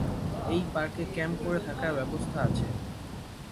এই পার্কে ক্যাম্প করে থাকার ব্যবস্থা আছে।